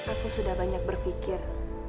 aku sudah banyak berfikir